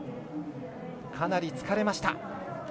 かなり疲れました。